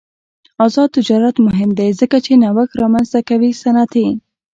آزاد تجارت مهم دی ځکه چې نوښت رامنځته کوي صنعتي.